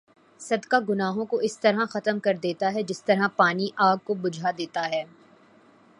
صدقہ گناہوں کو اس طرح ختم کر دیتا ہے جس طرح پانی آگ کو بھجا دیتا ہے